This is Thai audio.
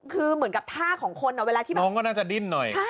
คือเหมือนกับท่าของคนเวลาที่แบบน้องก็น่าจะดิ้นหน่อย